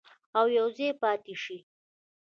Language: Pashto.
او یوځای پاتې شي.